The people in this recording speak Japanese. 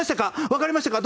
わかりましたか？